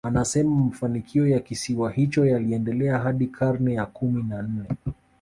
Anasema mafanikio ya kisiwa hicho yaliendelea hadi karne ya kumi na nne